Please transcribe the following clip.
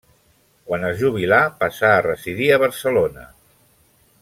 Quan es jubilà passà a residir a Barcelona.